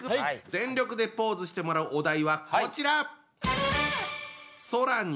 全力でポーズしてもらうお題はこちら！